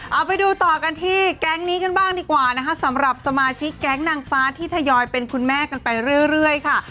เอาไปดูต่อกันที่แก๊งนี้กันบ้างดีกว่านะคะสำหรับสมาชิกแก๊งนางฟ้าที่ทยอยเป็นคุณแม่กันไปเรื่อยค่ะ